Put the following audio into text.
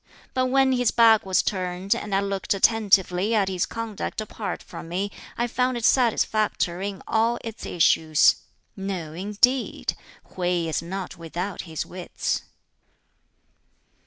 But when his back was turned, and I looked attentively at his conduct apart from me, I found it satisfactory in all its issues. No, indeed! Hwķi is not without his wits."